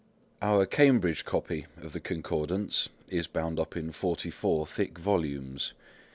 Our Cambridge copy of the Concordance is bound up in 44 thick volumes.